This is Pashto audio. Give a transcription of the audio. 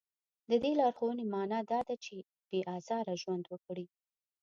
د دې لارښوونې معنا دا ده چې بې ازاره ژوند وکړي.